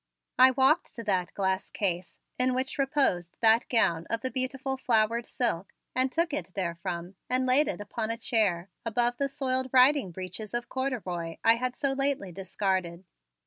I walked to that glass case in which reposed that gown of the beautiful flowered silk and took it therefrom and laid it upon a chair above the soiled riding breeches of corduroy I had so lately discarded.